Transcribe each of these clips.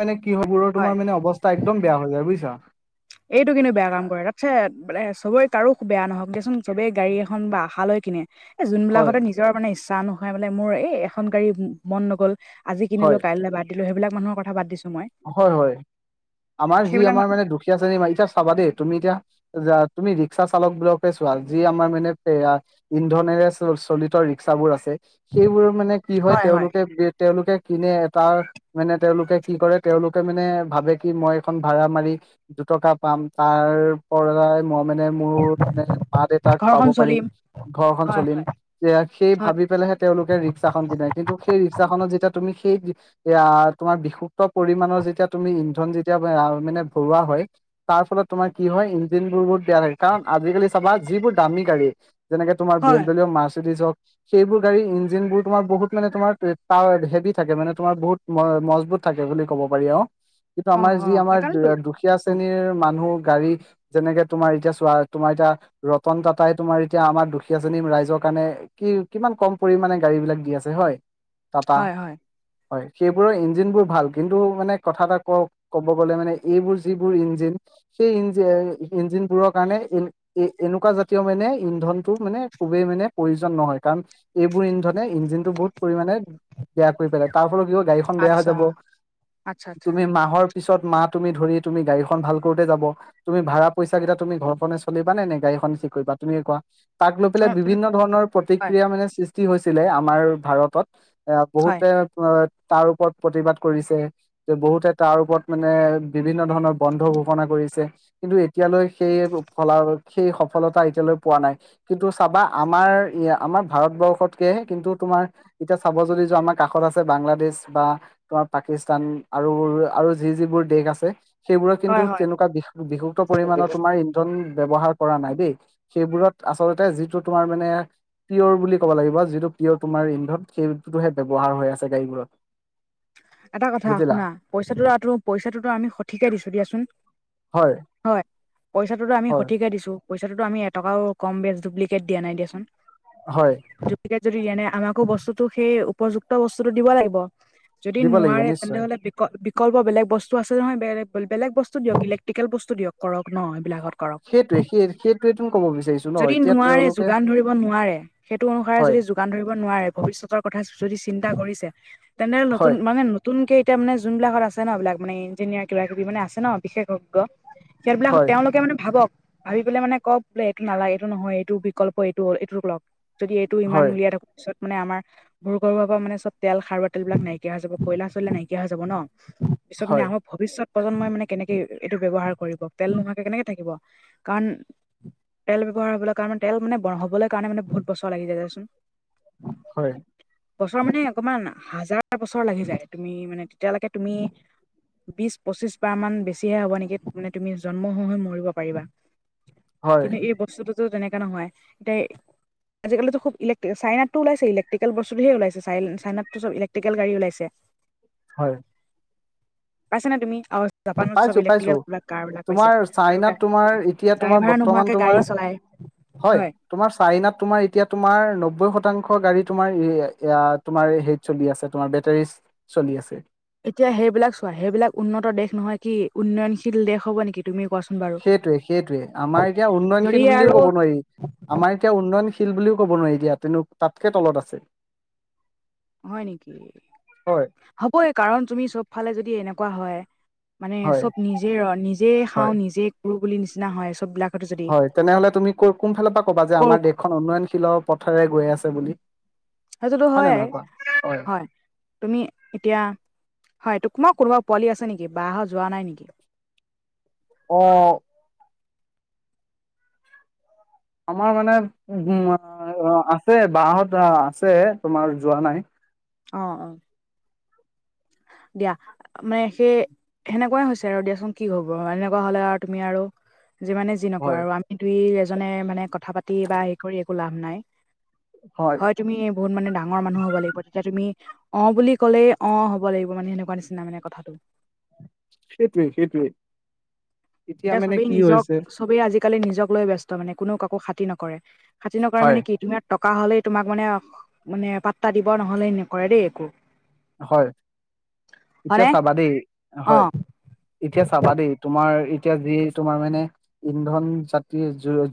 মানে কি হব হয় তোমাৰ মানে অৱস্থা একদম বেয়া হৈ যায় বুইছা? এইটো কিন্তু বেয়া কাম কৰে, তাতছে বালে চবেই কাৰো বেয়া নহওক দিয়াচোন চবেই গাড়ী এখন বা আশালৈ কিনে। এ হয় যোনবিলাকতে নিজৰ মানে ইচ্ছা নোহয় মানে মোৰ এই এখন গাড়ী মন নগ'ল আজি কিনিলো হয় কাইলৈ বাদ দিলো সেইবিলাক মানুহৰ কথা বাদ দিছো মই। হয় হয়, আমাৰ যি সেইবিলাক আমাৰ মান মানে দুখীয়া শ্ৰেণী মান এতিয়া চাবা দেই তুমি এতিয়া যা তুমি ৰিক্সা চালকবিলাককে চোৱা, যি আমাৰ মানে সেয়া ইন্ধনেৰে চ চলিত ৰিক্সাবোৰ আছে। সেইবোৰ মানে কি হয় তেওঁলোকে-তেওঁলোকে কিনে এটাৰ মানে তেওঁলোকে কি কৰে তেওঁলোকে মানে ভাবে কি মই এখন ভাড়া মাৰি দুটকা পাম, তাৰ পৰাই মই মানে মোৰ মানে মা-দেউতাক খুৱাব ঘৰখন পাৰিম, চলিম ঘৰখন হয় চলিম। হয় যে সেই হয় ভাবি পেলাইহে তেওঁলোকে ৰিক্সাখন কিনাই, কিন্তু সেই ৰিক্সাখনত যেতিয়া তুমি সেই এয়া তোমাৰ বিষুক্ত পৰিমাণৰ যেতিয়া তুমি ইন্ধন যেতিয়া আ মানে ভৰোৱা হয় তাৰ ফলত তোমাৰ কি হয়, ইঞ্জিনবোৰ বহুত বেয়া লাগে কাৰণ আজিকালি চাবা যিবোৰ দামী গাড়ী যেনেকে তোমাৰ বি এম হয় দাব্লিও, মাৰ্চিডিছ হওক সেইবোৰ গাড়ী ইঞ্জিনবোৰ তোমাৰ বহুত মানে তোমাৰ পাৱ হেভি থাকে মানে তোমাৰ বহুত ম মজবুত থাকে বুলি ক'ব পাৰি আৰু কিন্তু অ আমাৰ অ যি আমাৰ দু সেইকাৰণেতো দুখীয়া অ শ্ৰেণীৰ মানুহ গাড়ী যেনেকে তোমাৰ এতিয়া চোৱা, তোমাৰ এতিয়া ৰতন টাটাই তোমাৰ এতিয়া আমাৰ দুখীয়া শ্ৰেণী ৰাইজৰ কাৰণে কি কিমান কম পৰিমানে গাড়ীবিলাক দি আছে হয় টাটা হয় হয় হয়, সেইবোৰৰ ইঞ্জিনবোৰ ভাল কিন্তু মানে কথা এটা কওক ক'ব গ'লে মানে এইবোৰ যিবোৰ ইঞ্জিন সেই ইঞ্জ ইঞ্জিনবোৰৰ কাৰণে ই এই এনেকুৱা জাতীয় মানে ইন্ধনটো মানে খুবেই মানে প্ৰয়োজন নহয় কাৰণ এইবোৰ ইন্ধনে ইঞ্জিনটো বহুত পৰিমাণে বেয়া কৰি পেলায়, তাৰ ফলত কি হ'ব গাড়ীখন বেয়া হৈ আচ্ছা যাব। আচ্ছা আচ্ছা তুমি মাহৰ পিছত মাহ তুমি ধৰি তুমি গাড়ীখন ভাল কৰোঁতে যাব। তুমি ভাড়া পইছাকেইটা তুমি ঘৰখনে চলিবা নে গাড়ীখনে ঠিক কৰিবা তুমি কোৱা? তাক লৈ অ পেলাই তেন- বিভিন্ন ধৰণৰ হয় প্ৰতিক্ৰিয়া মানে সৃষ্টি হৈছিলে আমাৰ ভাৰতত। এয়া হয় বহুতে আ তাৰ ওপৰত প্ৰতিবাদ কৰিছে তে, বহুতে তাৰ ওপৰত মানে বিভিন্ন ধৰণৰ বন্ধ ঘোষণা কৰিছে। কিন্তু এতিয়ালৈ সেই ফলা সেই সফলতা এতিয়ালৈ পোৱা নাই। কিন্তু চাবা আমাৰ ইয়া আমাৰ ভাৰতবৰ্ষতকে কিন্তু তোমাৰ এতিয়া চাব যদি যোৱা আমাৰ কাষত আছে বাংলাদেশ বা তোমাৰ পাকিস্তান আৰু আৰু যি‌ যিবোৰ দেশ আছে সেইবোৰত হয় কিন্তু হয় তেনেকুৱা বিষুক্ত পৰিমাণৰ তোমাৰ ইন্ধন ব্যৱহাৰ কৰা নাই দেই, সেইবোৰত আচলতে যিটো তোমাৰ মানে পিয়ৰ বুলি ক'ব লাগিব, যিটো পিয়ৰ তোমাৰ ইন্ধত সেইটোহে ব্যৱহাৰ হৈ আছে গাড়ীবোৰত। এটা কথা বুজিলা শুনা পইচাটো-পইচাটোতো আমি সঠিকে দিছোঁ দিয়াচোন। হয় হয়, পইচাটো আমি হয় সঠিকে দিছোঁ পইচাটো আমি এটকাও কম বেছ ডুপ্লিকেট দিয়া নাই দিয়াচোন। হয়। যুক্তিকে যদি আনে আমাকো বস্তুটো সেই উপযুক্ত বস্তুটো দিব লাগিব। যদি দিব লাগিব নোৱাৰে তেনে নিশ্চয় হ'লে বিকল বিকল্প বেলেগ বস্তু আছে নহয় বেলেগ-বেলেগ বস্তু দিয়ক ইলেক্ট্ৰিকেল বস্তু দিয়ক। কৰক ন' এইবিলাকত কৰক, সেইটোৱে সেই সেইটোৱেতো ক'ব বিচাৰিছো ন যদি এতিয়া নোৱাৰে তেওঁলোকে যোগান ধৰিব নোৱাৰে সেইটো অনুসাৰে হয় যদি যোগান ধৰিব নোৱাৰে ভৱিষ্যতৰ কথা যদি চিন্তা কৰিছে। তেন্তে নতুন হয় মানে নতুনকে এতিয়া মানে যোনবিলাকত আছে ন' এইবিলাক মানে ইঞ্জিনিয়াৰ কিবা কিবি মানে আছে ন' বিশেষজ্ঞ সিহঁতবিলাক হয় তেওঁলোকে মানে ভাবক ভাবি পেলাই মানে কওক বোলে এইটো নালাগে এইটো নহয় এইটো বিকল্প এইটো হ'ল এইটোক লগ। যদি এইটো ইমান হয় উলিয়াই থাকোঁ, পিছত মানে আমাৰ ভূগৰ্ভৰ পৰা মানে চব তেল সাৰুৱা তেলবিলাক নাইকিয়া নাইকিয়া হৈ যাব কয়লা চৈলা নাইকিয়া হৈ যাব ন' পিছত মানে হয় আমাৰ ভৱিষ্যত প্ৰজন্মই মানে কেনেকে এইটো ব্যৱহাৰ কৰিব, তেল নোহোৱাকে কেনেকে থাকিব কাৰণ তেল ব্যৱহাৰ হ'বলৈ কাৰণে তেল মানে হ'বলৈ কাৰণে মানে বহুত বছৰ লাগি যায় দিয়াচোন। হয়। বছৰ মানে তোমাৰ হাজাৰ বছৰ লাগি যায় তুমি মানে তেতিয়ালৈকে তুমি বিশ পঁচিশ বাৰ মান বেছিহে হ'ব নেকি মানে তুমি জন্ম হৈ-হৈ মৰিব পাৰিবা। হয় কিন্তু এই বস্তুটোতো তেনেকা নহয়, তে আজিকালিতো খুব ইলেক্ট্ৰিল চাইনাটো ওলাইছে ইলেকট্ৰিকেল বস্তু ধেৰ ওলাইছে, চাই চাইনাতটো চব ইলেক্ট্ৰি ইলেক্ট্ৰিকেল গাড়ী ওলাইছে। হয়। পাইছে নাই তুমি? জাপানত চব পাইছো পাইছো ইলেক্ট্ৰিকেল কাৰ বিলাক পাইছে তোমাৰ আৰু চাইনাত তোমাৰ এতিয়া তোমাৰ ড্ৰাইভাৰ বৰ্তমান নোহোৱাকে তোমাৰ গাড়ী চলায়। হয়। তোমাৰ চাইনাত তোমাৰ এতিয়া তোমাৰ নব্বৈ শতাংশ গাড়ী তোমাৰ তোমাৰ হেৰ। চলি আছে, তোমাৰ বেটাৰী চলি আছে। এতিয়া সেইবিলাক চোৱা। সেইবিলাক উন্নত দেশ নহয় কি? উন্নয়নশীল দেশ হ'ব নেকি? তুমি কোৱাচোন বাৰু, সেইটোৱে সেইটোৱে আমাৰ এতিয়া যদি উন্নয়নশীল বুলিও আৰু কব নোৱাৰি। আমাৰ এতিয়া উন্নয়নশীল বুলিও ক'ব নোৱাৰি দিয়া। তেনে তাতকে তলত আছে। হয় নেকি? হয় হ'বই কাৰণ তুমি চব ফালে যদি এনেকুৱা হয় মানে হয় চব নিজে ৰ নিজেই খাওঁ হয় নিজেই কৰো বুলি নিচিনা হয় চববিলাক। হয়, তেনেহ'লে তুমি কৰ কোন ফালৰ পৰা ক'বা যে কৰ আমাৰ দেশখন উন্নয়নশীলৰ পথেৰে গৈ আছে বুলি? সেইটোতো হয় নে হয়ে নহয় কোৱা হয়। তুমি এতিয়া হয় তোমাৰ কোনোবা পোৱালি আছে নেকি? বাহঁত যোৱা নাই নেকি? অ আমাৰ মানে উ আছে বাহঁত আছে তোমাৰ যোৱা নাই। অ, অ। দিয়া মানে সেই সেনেকুৱাই হৈছে আৰু দিয়াচোন কি হ'ব? এনেকুৱা হ'লে আৰু তুমি আৰু যিমানে যি নকৰা হয় আৰু আমি দুই, এজনে মানে কথা পাতি বা হেৰি কৰি একো লাভ নাই। হয়। তুমি বহুত মানে ডাঙৰ মানুহ হ'ব লাগিব। তেতিয়া তুমি অ বুলি ক'লেই অ হ হ'ব লাগিব মানে সেনেকুৱা নিচিনা মানে কথাটো। সেইটোৱে সেইটোৱেই এতিয়া মানে চবেই কি নিজক হৈছে চবেই আজি-কালি নিজক লৈ ব্যস্ত মানে কোনোও কাকো খাতিৰ নকৰে। খাতিৰ নকৰে হয় মানে কি তোমাক টকা হ'লেই তোমাক মানে মানে পাত্তা দিব, নহ'লে নকৰে দেই একো। হয়, হয়নে? এতিয়া চাবা দেই। হয়। অ', এতিয়া চাবা দেই, তোমাৰ এতিয়া যি তোমাৰ মানে ইন্ধন যাতি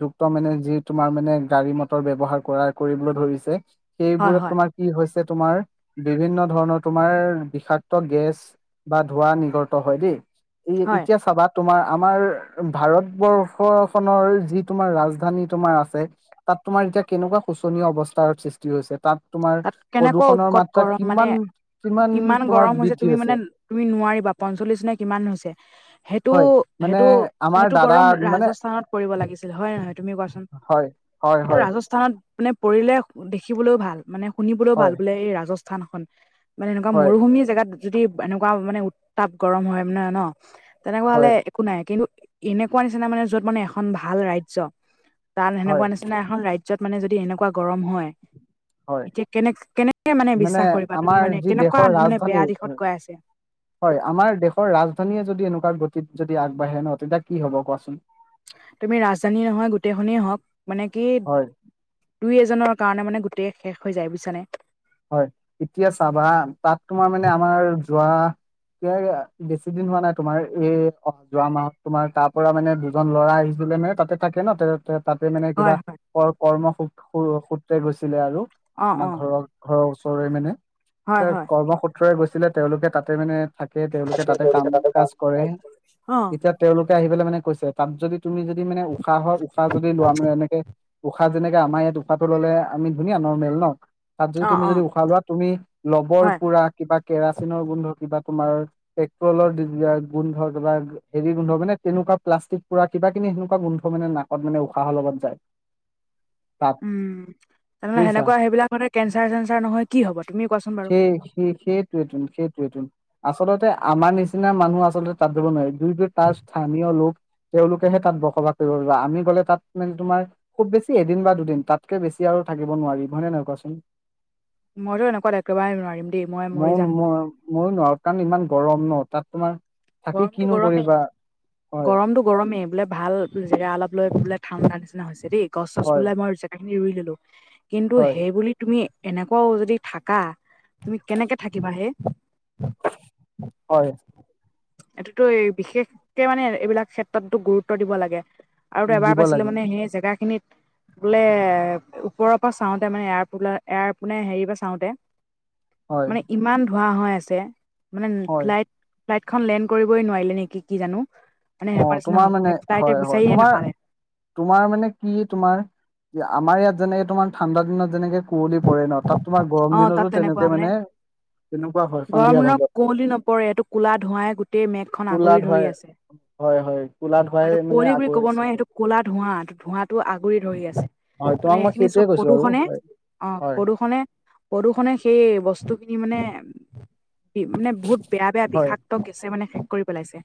যুক্ত মানে যি তোমাৰ মানে গাড়ী মটৰ ব্যৱহাৰ কৰাৰ কৰিবলৈ ধৰিছে হয়, সেইবোৰত হয়, তোমাৰ কি হৈছে তোমাৰ বিভিন্ন ধৰণৰ তোমাৰ বিষাক্ত গেছ বা ধোঁৱা নিগৰত হয় দেই। এই হয়। এতিয়া চাবা তোমাৰ আমাৰ ভাৰতবৰ্ষখনৰ যি তোমাৰ ৰাজধানী তোমাৰ আছে। তাত তোমাৰ এতিয়া কেনেকুৱা শোচনীয় অৱস্থাৰ সৃষ্টি হৈছে, তাত তোমাৰ কেনেকুৱা প্ৰদূষণৰ উৎকট মাত্ৰা গৰম মানে কিমান-কিমান ইমান গৰম তোমাৰ বৃদ্ধি তুমি মানে হৈছে। তুমি নোৱাৰিবা পঞ্চল্লিশ নে কিমান হৈছে। হয় মানে আমাৰ সেইটো-সেইটো-সেইটো দাদা গৰম মানে ৰাজস্থানত কৰিব লাগিছিল হয়ে নহয় তুমিও কোৱাচোন? হয়, হয়-হয়। তাত মানে পৰিলে দেখিবলৈও ভাল মানে শুনিবলৈও হয় ভাল বোলে এই ৰাজস্থানখন। মানে এনেকুৱা হয় মৰুভূমি জেগাত যদি এনেকুৱা মানে উত্তাপ গৰম হয় মানে ন? তেনেকুৱা হলে হয় একো নাই কিন্তু এনেকুৱা নিচিনা মানে যত মানে এখন ভাল ৰাজ্য। তাত হয় সেনেকুৱা নিচিনা এখন ৰাজ্যত মানে যদি এনেকুৱা গৰম হয়। হয় এতিয়া কেনে কেনেকে মানে বিশ্বাস কৰিবা তুমি আমাৰ মানে যি কেনেকুৱা দেশৰ মানে ৰাজধানী বেয়া দিশত গৈ আছে হয়, আমাৰ দেশৰ ৰাজধানীয়ে যদি এনেকুৱা গতিত যদি আগবাঢ়ে ন, তেতিয়া কি হব কোৱাচোন? তুমি ৰাজধানী নহয় গোটেই খনে হওঁক, মানে কি হয় দুই এজনৰ কাৰণে মানে গোটেই শেষ হৈ যায় বুইছানে? হয়। এতিয়া চাবা হা, তাত তোমাৰ মানে আমাৰ যোৱা এ বেছি দিন হোৱা নাই তোমাৰ এই অ, যোৱা মাহত তোমাৰ তাৰ পৰা মানে দুজন ল'ৰা আহিছিলে মানে তাতে থাকে ন তেৰত তে তাতে মানে কিবা হয় হয় কৰ কৰ্ম সূ সূত্ৰে গৈছিলে আৰু অ', আমাৰ অ', ঘৰৰ ঘৰৰ ওচৰৰে মানে হয় হয় কৰ্ম সূত্ৰৰে গৈছিলে তেওঁলোকে তাতে মানে থাকে তেওঁলোকে তাতে কাম কাজ কৰে অ', এতিয়া তেওঁলোকে আহি পেলে মানে কৈছে তাত যদি তুমি যদি মানে উশাহ হয় উশাহ যদি লোৱা মানে এনেকে উশাহ যেনেকে আমাৰ ইয়াত উশাহটো ললে আমি ধুনীয়া নৰ্মেল ন তাত যদি অ', তুমি অ', যদি উশাহ লোৱা তুমি লবৰ হয় পোৰা কিবা কেৰাচিনৰ গোন্ধ কিবা তোমাৰ পেট্ৰলৰ ডি গোন্ধ কিবা হেৰি গোন্ধ মানে তেনেকুৱা প্লাষ্টিক পুৰা কিবা কিনি সেনেকুৱা গোন্ধ মানে নাকত মানে উশাহৰ লগত যায় তাত উম তেনেহলে বুজিছা সেনেকুৱা সেইবিলাকতে কেঞ্চাৰ চেঞ্চাৰ নহয় কি হব তুমি কোৱাচোন বাৰু সেই সেই সেই সেইটোৱেটোন সেইটোৱেইটোন আচলতে আমাৰ নিচিনা মানুহ আচলতে তাত যাব নোৱাৰি যোনটো তাৰ স্থানীয় লোক তেওঁলোকেহে তাত বসবাস কৰিব পা আমি গ'লে তাত মানে তোমাৰ খুব বেছি এদিন বা দুদিন তাতকে বেছি আৰু থাকিব নোৱাৰিম হয় নে নহয় কোৱাচোন মইতো এনেকুৱাত একেবাৰে নোৱাৰিম দেই মই মৰি নোৱাৰো যাম ম মও নোৱাৰো কাৰণ ইমান গৰম ন তাত তোমাৰ থাকি গৰমটো কিনো গৰমে কৰিবা হয় গৰমটো গৰমে বোলে ভাল জেগা অলপ লৈ বোলে ঠাণ্ডা নিচিনা হৈছে দেই গছ চছ হয় বোলাই মই জেগা খিনি ৰুই ললো কিন্তু হয় সেইবুলি তুমি এনেকুৱাও যদি থাকা তুমি কেনেকে থাকিবা হেই হয় এইটোতো এই বিশেষকে মানে এইবিলাক ক্ষেত্ৰতো গুৰুত্ব দিব লাগে আৰু ত এবাৰ দিব পাইছিলো লাগে মানে সেই জেগাখিনিত বোলে ওপৰৰ পা চাওঁতে মানে এয়াৰ পোলাও এয়াৰ পোনে হেৰিৰ পা চাওঁতে হয় মানে ইমান ধোৱা হৈ আছে মানে হয় ফ্লাইট ফ্লাইটখন লেণ্ড কৰিবই নোৱাৰিলে নেকি কি জানো মানে অ সেনেকুৱা নিচিনা তোমাৰ হল মানে নে ফ্লাইটে হয় হয় বিচাৰিয়ে তোমাৰ নাপালে তোমাৰ মানে কি তোমাৰ, আমাৰ ইয়াত যেনেকে তোমাৰ ঠাণ্ডা দিনত যেনেকে কুঁৱলী পৰে ন তাত, তোমাৰ গৰম অ দিনতো তাত তেনেকে তেনেকুৱা মানে তেনেকুৱা হয় গৰম সন্ধিয়া ভাগত দিনত কুঁৱলি নপৰে এইটো কোলা ধোঁৱাই গোটেই মেঘখন কোলা আগুৰি ধৰি ধুৱাই আছে হয় হয় কোলা ধুৱা হয় এইটো কুঁৱলি বুলি ক'ব নোৱাৰি সেইটো কলা ধোঁৱা ধোঁৱাটো আগুৰি ধৰি আছে হয় তোমাক মানে মই এইখিনি সেইটোৱে চব কৈছো আৰু প্ৰদূষণে হয় অ হয় প্ৰদূষণে প্ৰদূষণে সেই বস্তুখিনি মানে মানে বহুত বেয়া বেয়া হয় বিষাদ দম গেছে মানে শেষ কৰি পেলাইছে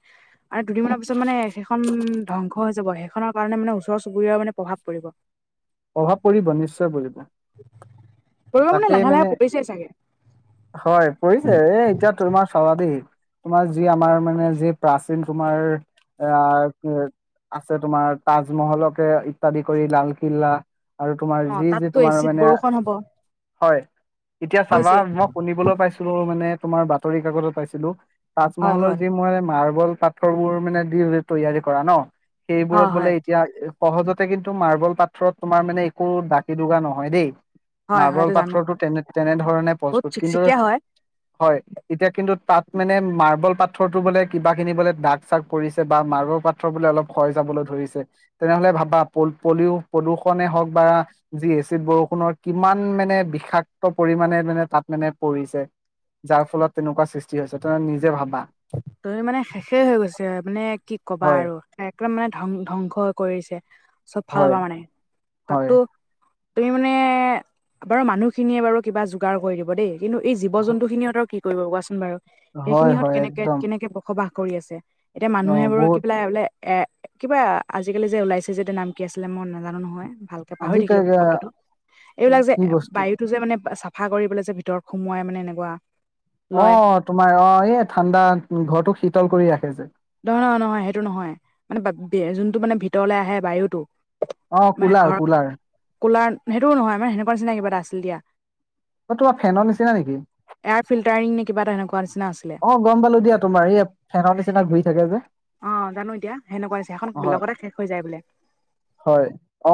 আৰে দুদিনমানৰ পিছত মানে সেইখন ধ্বংস হৈ যাব সেইখনৰ কাৰণে মানে ওচৰ চুবুৰীয়াৰ মানে প্ৰভাৱ পৰিব। প্ৰভাৱ পৰিব নিশ্চয় পৰিব, পৰিব তাকে লাহে লাহে মানে পৰিছেই চাগে হয় পৰিছে এ এতিয়া তোমাৰ চাবাবিক তোমাৰ যি আমাৰ মানে যি প্ৰাচীন তোমাৰ আহ আছে তোমাৰ তাজমহলকে ইত্যাদি কৰি লালকিল্লা আৰু তোমাৰ অ যি যি তাততো তোমাৰ এচিড মানে, বৰষুণ হব হয় এতিয়া চাবা হৈছে মই শুনিবলৈ পাইছিলো মানে তোমাৰ বাতৰি কাকতত পাইছিলো, হয় তাজমহলৰ হয় যি মোৰ মাৰ্বল পাথৰবোৰ মানে দি তৈয়াৰী কৰা ন সেইবোৰত হয় বোলে হয় এতিয়া সহজতে কিন্তু মাৰ্বল পাথ্ৰৰত তোমাৰ মানে একো দাকি দুগা নহয় দেই, হয় হয় মাৰ্বল এইটো জানো পাথৰতো বাৰু তেনে তেনেধৰণে বহুত প্ৰস্তুত কিন্তু চিকচিকীয়া হয় হয় এতিয়া কিন্তু তাত মানে মাৰ্বল পাথৰটো বোলে কিবা খিনি বোলে দাগ চাগ পৰিছে বা মাৰ্বল পাথ বোলে অলপ ক্ষয় যাবলৈ ধৰিছে তেনেহলে ভাবা পল পলিউ পলিউষণে হওক বা যি এচিড বৰষুণৰ কিমান মানে বিষাক্ত পৰিমাণে মানে তাত মানে পৰিছে, যাৰ ফলত তেনেকুৱা সৃষ্টি হৈছে ত নিজে ভাবা তুমি মানে শেষেই হৈ গৈছে মানে কি কবা হয় আৰু একদম মানে ধং ধ্বংস কৰিছে চব ফালৰ হয় পৰা মানে, হয় তাতো তুমি মানে বাৰু মানুহখিনিয়ে বাৰু কিবা যোগাৰ কৰি দিব দেই কিন্তু এই জীৱ জন্তু খিনিহঁতৰ কি কৰিব কোৱাচোন বাৰু হয় সেইখিনিহত হয় কেনেকে একদম এনেকে বসবাস কৰি আছে এতিয়া অ মানুহে বোৰ কি বহুত পেলাই বোলে এ কিবা আজিকালি যে ওলাইছে যেতিয়া নাম কি আছিলে মই নাজানো নহয় ভালকে পাহৰি আজি থাকিলো শব্দটো কি এইবিলাক যে বস্তু বায়ুতো যে মানে চা চাফা কৰি পেলাই যে ভিতৰত সোমোৱাই মানে এনেকুৱা অ লয় তোমাৰ অ এই ঠাণ্ডা ঘৰটোক শীতল কৰি ৰাখে যে নহয় নহ নহয় সেইটো নহয় মানে বে যোনটো মানে ভিতৰলে আহে বায়ুটো অ মানে কুলাৰ- ঘৰ কুলাৰ কুলাৰ সেইটোও নহয় মানে সেনেকুৱা নিচিনা কিবা এটা আছিল দিয়া অ তোমাৰ ফেনৰ নিচিনা নেকি এয়াৰ ফিল্টাৰিং নে কিবা এটা হেনেকুৱা নিচিনা আছিলে। অ গম পালো দিয়া তোমাৰ এই ফেনৰ নিচিনা ঘূৰি থাকে যে, অ জানো এতিয়া সেনেকুৱা আছে সেইখন হয় লগতে শেষ হৈ যায় বোলে হয়। অ